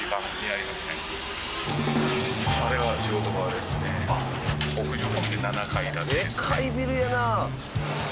でかいビルやな！